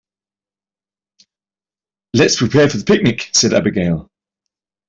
"Let's prepare for the picnic!", said Abigail.